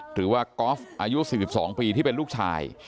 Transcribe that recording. หรือว่ากอล์ฟอายุ๔๒ปีที่เป็นลูกชาย